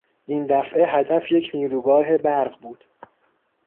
این دفعه هدف یک نیروگاه برق بود.